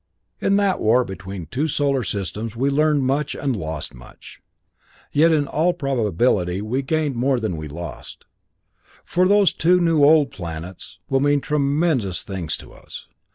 In that war between two solar systems we learned much and lost much. Yet, in all probability we gained more than we lost, for those two new old planets will mean tremendous things to us.